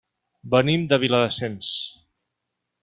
Venim de Viladasens.